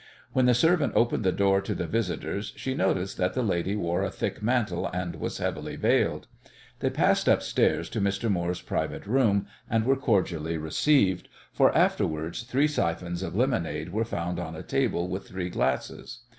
When the servant opened the door to the visitors she noticed that the lady wore a thick mantle and was heavily veiled. They passed upstairs to Mr. Moore's private room and were cordially received, for afterwards three siphons of lemonade were found on a table with three glasses.